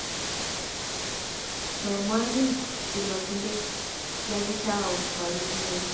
Mamwa ki kirwangindet ya kitau bariet neo